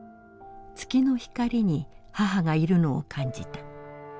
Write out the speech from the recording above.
月の光に母がいるのを感じた。